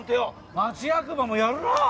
町役場もやるなぁ！